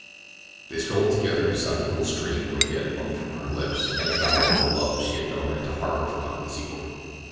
They strolled together beside the little stream where he had wrung from her lips an avowal of the love she had no right to harbor for Ogden Secor.